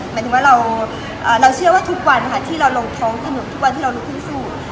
หมายถึงว่าเราเชื่อว่าทุกวันค่ะที่เราลงท้องถนนทุกวันที่เราลุกขึ้นสู้